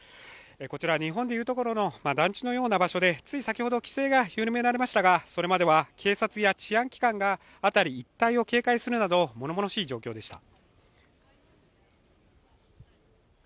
こちら、日本でいうところの団地のような場所でつい先ほど、規制が緩められましたが、それまでは警察や治安機関が辺り一帯を警戒するなどものものしい状況でした。